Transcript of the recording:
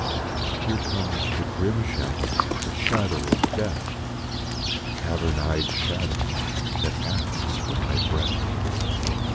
Here comes the grim shadow, the shadow of death ; The cavern eyed shadow that asks for my breath."